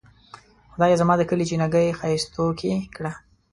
خدایه زما د کلي چینه ګۍ ښائستوکې کړه.